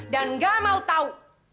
dan gak mau tau